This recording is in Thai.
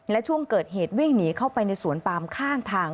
และช่วงเกิดเหตุวิ่งหนีเข้าไปในสวนปามข้างทาง